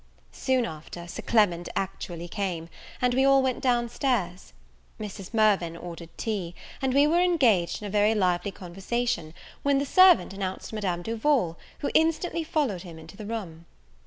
Soon after, Sir Clement actually came, and we all went down stairs. Mrs. Mirvan ordered tea; and we were engaged in a very lively conversation, when the servant announced Madame Duval, who instantly followed him into the room.